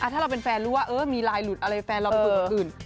ถ้าเราเป็นแฟนรู้ว่ามีลายหลุดอะไรแฟนเราไปฝึกอื่น